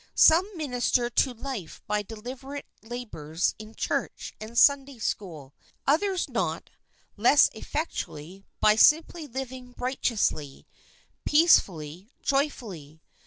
Some minister to life by deliberate labours in Church and Sunday School ; others not *y less effectually by simply living righteously, peace fully, joyfully.